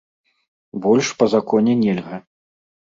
Больш па законе нельга.